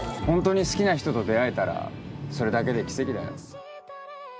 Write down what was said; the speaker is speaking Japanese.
ホントに好きな人と出会えたらそれだけで奇跡だよ